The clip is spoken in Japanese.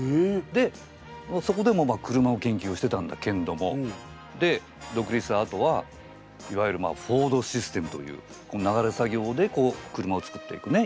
でそこでもまあ車を研究をしてたんだけんどもでどくりつしたあとはいわゆるフォードシステムという流れ作業でこう車をつくっていくね